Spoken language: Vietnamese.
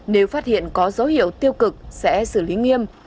nếu phát hiện có dấu hiệu tiêu cực sẽ xử lý nghiêm